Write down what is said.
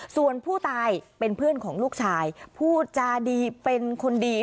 ส่วนผู้ตายเป็นเพื่อนของลูกชายพูดจาดีเป็นคนดี